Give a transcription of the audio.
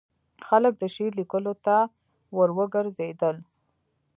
خلک د شعر لیکلو ته وروګرځېدل.